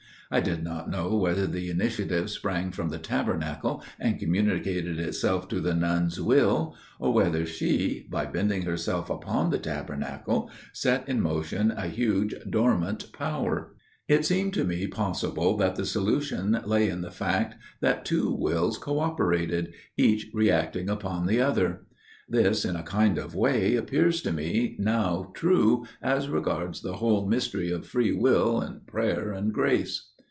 I did not know whether the initiative sprang from the Tabernacle and communicated itself to the nun's will; or whether she, by bending herself upon the Tabernacle, set in motion a huge dormant power. It appeared to me possible that the solution lay in the fact that two wills co operated, each reacting upon the other. This, in a kind of way, appears to me now true as regards the whole mystery of free will and prayer and grace.